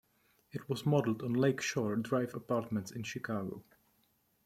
It was modeled on Lake Shore Drive Apartments in Chicago.